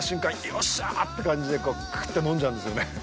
よっしゃーって感じでクーっと飲んじゃうんですよね。